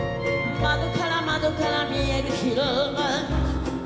「窓から窓から見える広場は」